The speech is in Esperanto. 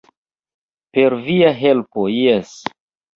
Per via helpo jes!